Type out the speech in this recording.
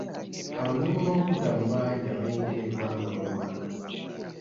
Abanoonyiboobubudamu bangi abayingira eggwanga buli mwaka.